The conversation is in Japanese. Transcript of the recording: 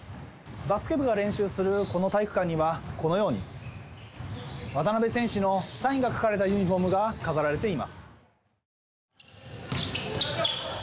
バスケ部が練習するこの体育館には、このように渡邊選手のサインが書かれたユニホームが飾られています。